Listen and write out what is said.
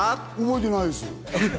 覚えてないです。